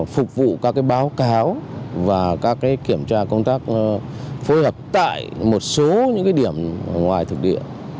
phục vụ các báo cáo và các kiểm tra công tác phối hợp tại một số những điểm ngoài thực địa